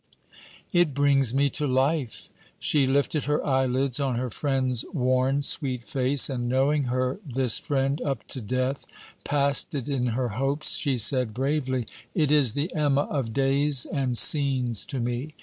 It brings me to life.' She lifted her eyelids on her friend's worn sweet face, and knowing her this friend up to death, past it in her hopes, she said bravely, 'It is the Emma of days and scenes to me!